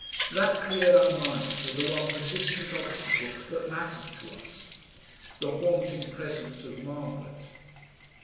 That cleared our minds of the one persistent obstacle that mattered to us the haunting presence of Margaret.